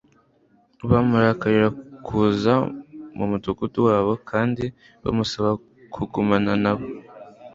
Bamurarikira kuza mu mudugudu wabo, kandi bamusaba kugumana na bo